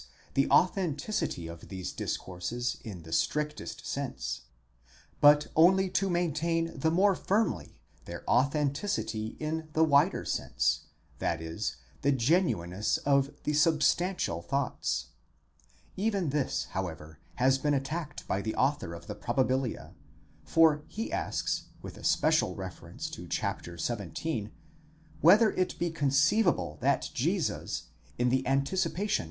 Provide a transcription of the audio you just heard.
the authenticity of these discourses in the strictest sense ; but only to maintain the more firmly their authenticity in the wider sense, i.e. the genuineness of the substantial thoughts.15 Even this, however, has been attacked by the author of the Probabilia, for he asks, with especial re ference to chap. xvii., whether it be conceivable that Jesus in the anticipation .